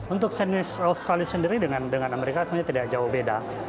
untuk senior australia sendiri dengan amerika sebenarnya tidak jauh beda